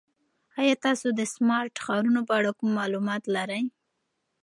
ایا تاسو د سمارټ ښارونو په اړه کوم معلومات لرئ؟